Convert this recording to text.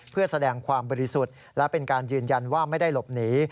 เพื่อแสดงความบริสุทธิ์และเป็นการยืนยันว่าไม่ได้หลบหนี